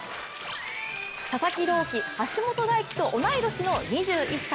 佐々木朗希、橋本大輝と同い年の２１歳。